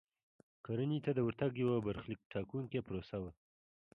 کرنې ته د ورتګ یوه برخلیک ټاکونکې پروسه وه.